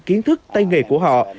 kiến thức tay nghề của họ